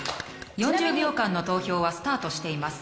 ４０秒間の投票はスタートしています。